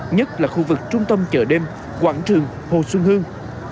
nhất là khu vực trung tâm chợ đêm quảng trường hồ xuân hương